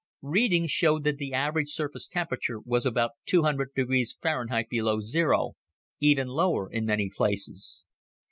Readings showed that the average surface temperature was about 200° Fahrenheit below zero, even lower in many places.